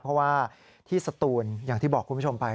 เพราะว่าที่สตูนอย่างที่บอกคุณผู้ชมไป